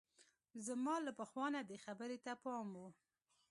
زما له پخوا نه دې خبرې ته پام وو.